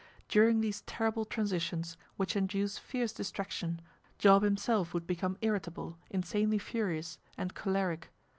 During these terrible transitions, which induce fierce distraction, Job himself would become irritable, insanely furious, and choleric.